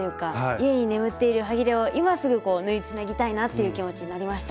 家に眠っているはぎれを今すぐ縫いつなぎたいなという気持ちになりました。